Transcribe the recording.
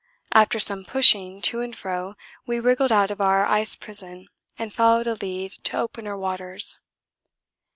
After some pushing to and fro we wriggled out of our ice prison and followed a lead to opener waters.